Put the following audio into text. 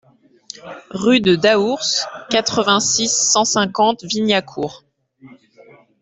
Rue de Daours, quatre-vingts, six cent cinquante Vignacourt